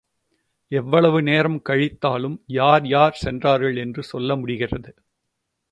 எவ்வளவு நேரம் கழித்தாலும் யார் யார் சென்றார்கள் என்று சொல்ல முடிகிறது.